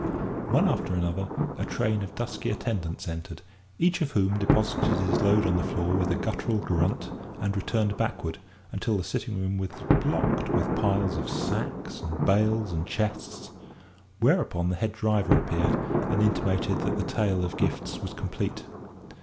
One after another, a train of dusky attendants entered, each of whom deposited his load on the floor with a guttural grunt and returned backward, until the sitting room was blocked with piles of sacks, and bales, and chests, whereupon the head driver appeared and intimated that the tale of gifts was complete.